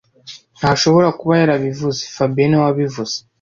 Ntashobora kuba yarabivuze fabien niwe wabivuze (